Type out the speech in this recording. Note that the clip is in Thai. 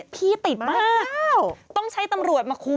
พี่ติดมากต้องใช้ตำรวจมาคุม